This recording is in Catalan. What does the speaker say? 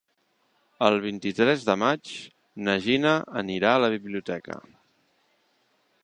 El vint-i-tres de maig na Gina anirà a la biblioteca.